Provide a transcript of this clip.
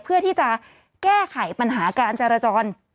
เพื่อที่จะแก้ไขปัญหาการจราจร